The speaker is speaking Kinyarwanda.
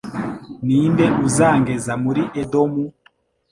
Ni nde uzangeza muri Edomu?